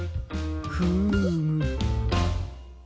フーム。